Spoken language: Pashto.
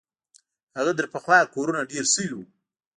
هلته تر پخوا کورونه ډېر سوي وو.